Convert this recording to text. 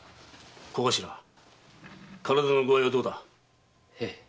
小頭体の具合はどうだ？